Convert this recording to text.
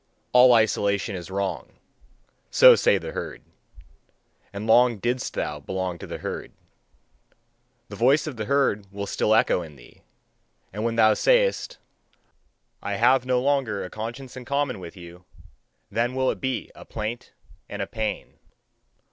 All isolation is wrong": so say the herd. And long didst thou belong to the herd. The voice of the herd will still echo in thee. And when thou sayest, "I have no longer a conscience in common with you," then will it be a plaint and a pain.